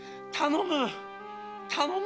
・頼む！